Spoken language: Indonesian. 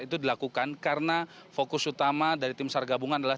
itu dilakukan karena fokus utama dari tim sargabungan adalah